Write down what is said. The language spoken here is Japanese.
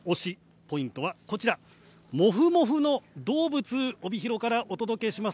ポイントはモフモフの動物、帯広からお届けします。